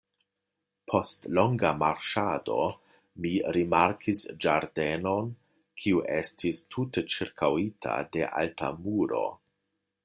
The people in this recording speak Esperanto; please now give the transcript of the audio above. Post longa marŝado mi rimarkis ĝardenon, kiu estis tute ĉirkaŭita de alta muro.